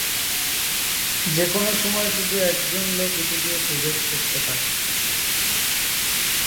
যেকোনো সময়ে শুধু একজন লোক এটি দিয়ে প্রবেশ করতে পারে।